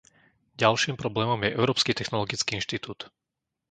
Ďalším problémom je Európsky technologický inštitút.